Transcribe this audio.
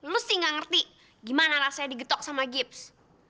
lu sih gak ngerti gimana rasanya digetok sama gips